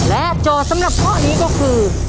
และจอสำหรับท่อนี้ก็คือ